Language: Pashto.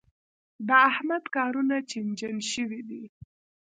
د احمد کارونه چينجن شوي دي.